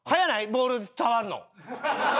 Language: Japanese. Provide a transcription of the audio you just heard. ボール触るの。